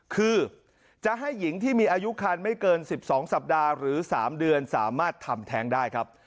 คือจะให้หญิงที่มีอายุคันไม่เกิน๑๒สัปดาห์หรือ๓เดือนสามารถทำแท้งได้ครับ